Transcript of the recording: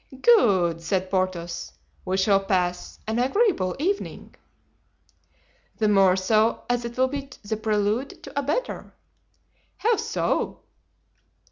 "Good," said Porthos; "we shall pass an agreeable evening." "The more so, as it will be the prelude to a better." "How so?"